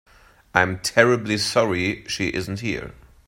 I'm terribly sorry she isn't here.